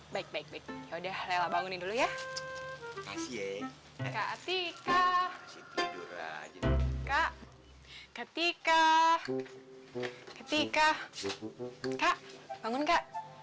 baik baik yaudah lela bangunin dulu ya kasih kak atika kak ketika ketika kak bangun kak